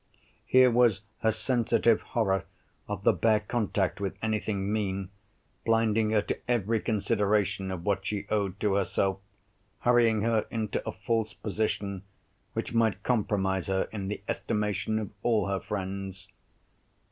Here was her sensitive horror of the bare contact with anything mean, blinding her to every consideration of what she owed to herself, hurrying her into a false position which might compromise her in the estimation of all her friends!